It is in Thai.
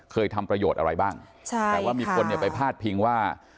ทำประโยชน์อะไรบ้างใช่แต่ว่ามีคนเนี่ยไปพาดพิงว่า